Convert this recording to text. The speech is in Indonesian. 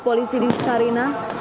pukul dua puluh satu waktu indonesia barat